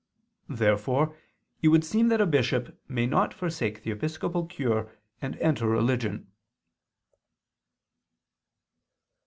Therefore it would seem that a bishop may not forsake the episcopal cure and enter religion.